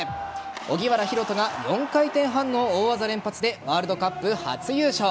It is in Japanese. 荻原大翔が４回転半の大技連発でワールドカップ初優勝。